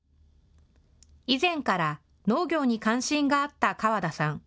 以前から農業に関心があった川田さん。